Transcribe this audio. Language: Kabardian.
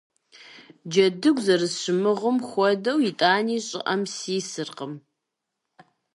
Джэдыгу зэрысщымыгъым хуэдэу итӀани щӀыӀэм сисыркъым.